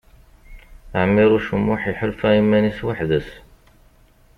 Ɛmiṛuc U Muḥ iḥulfa iman-is weḥd-s.